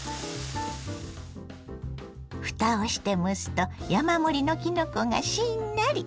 ふたをして蒸すと山盛りのきのこがしんなり。